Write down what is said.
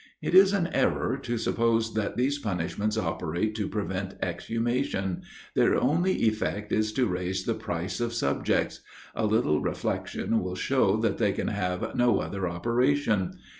It is an error to suppose that these punishments operate to prevent exhumation; their only effect is to raise the price of subjects: a little reflection will show that they can have no other operation.